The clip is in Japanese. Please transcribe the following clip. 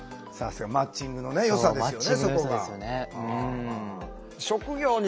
そうマッチングのよさですよね。